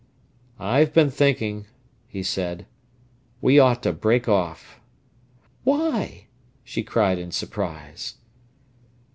"I have been thinking," he said, "we ought to break off." "Why?" she cried in surprise.